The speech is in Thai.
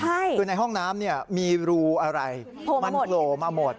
ใช่คือในห้องน้ำเนี่ยมีรูอะไรมันโผล่มาหมด